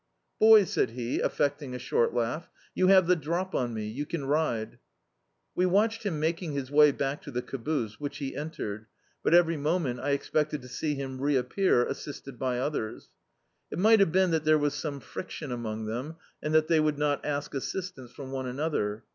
"Boys," said he, aflfecting a short laug^ "you have the drop on me; you can ride." We watched him making his way back to the caboose, which he entered, but evety moment I expected to see him reappear assisted by others. It mi^t have been that there was some friction among them, and that they would not ask assistance from one another.